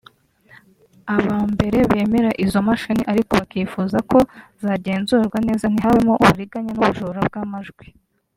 Aba mbere bemera izo mashini ariko bakifuza ko zagenzurwa neza ntihabemo uburiganya n’ubujura bw’amajwi